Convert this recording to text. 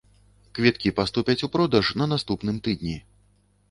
Квіткі паступяць у продаж на наступным тыдні.